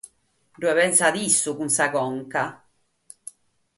Bi pensat issu cun sa conca.